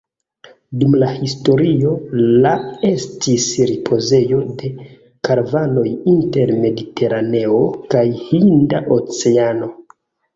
Dum la historio la estis ripozejo de karavanoj inter Mediteraneo kaj Hinda Oceano.